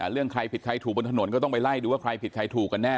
เรื่องใครผิดใครถูกบนถนนก็ต้องไปไล่ดูว่าใครผิดใครถูกกันแน